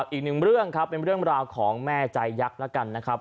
อีกหนึ่งเรื่องครับเป็นเรื่องราวของแม่ใจยักษ์แล้วกันนะครับ